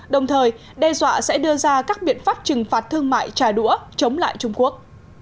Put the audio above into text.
đồng thời đe dọa sẽ đưa ra các biện pháp trừng phạt thương mại trà đũa chống lại trung quốc